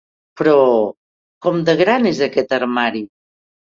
Però, com de gran és aquest armari?